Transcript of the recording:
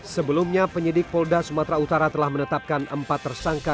sebelumnya penyidik polda sumatera utara telah menetapkan empat tersangka